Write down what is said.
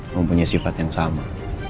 mempunyai sifat yang sama